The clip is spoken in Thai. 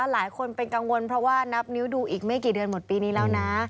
หลายคนเป็นกังวลเพราะว่านับนิ้วดูอีกไม่กี่เดือนหมดปีนี้แล้วนะ